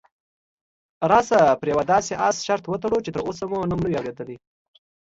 راشه پر یوه داسې اس شرط وتړو چې تراوسه مو نوم نه وي اورېدلی.